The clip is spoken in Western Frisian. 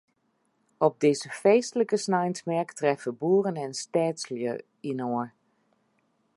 Op dizze feestlike sneinsmerk treffe boeren en stedslju inoar.